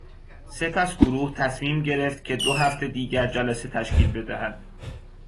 سپس گروه تصمیم گرفت که دو هفتهی دیگر جلسه تشکیل بدهد.